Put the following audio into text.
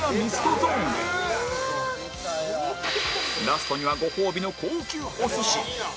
ラストにはご褒美の高級お寿司